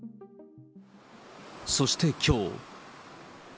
そしてきょう。